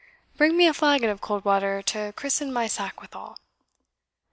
Bring me a flagon of cold water to christen my sack withal."